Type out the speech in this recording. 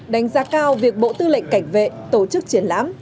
đánh giá cao việc bộ tư lệnh cảnh vệ tổ chức triển lãm